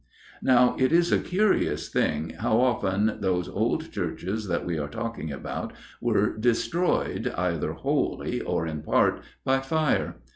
Now, it is a curious thing how often those old churches that we are talking about were destroyed, either wholly or in part, by fire.